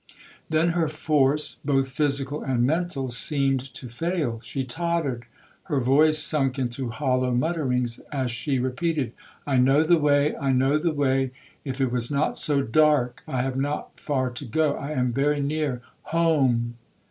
Then her force, both physical and mental, seemed to fail,—she tottered,—her voice sunk into hollow mutterings, as she repeated, 'I know the way,—I know the way,—if it was not so dark.—I have not far to go,—I am very near—home!'